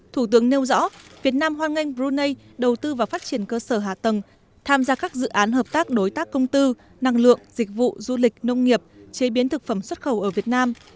thủ tướng nêu rõ việt nam hoan nghênh brunei đầu tư vào phát triển cơ sở hạ tầng tham gia các dự án hợp tác đối tác công tư năng lượng dịch vụ du lịch nông nghiệp chế biến thực phẩm xuất khẩu ở việt nam